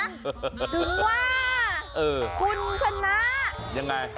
ถึงว่าคุณชนะเยี่ยมยังไง